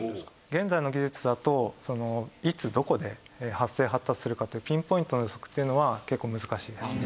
現在の技術だといつどこで発生発達するかというピンポイントの予測っていうのは結構難しいです。